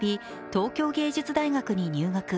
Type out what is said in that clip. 東京芸術大学に入学。